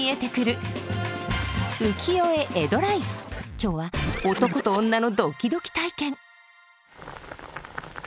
今日は男と女のドキドキ体験。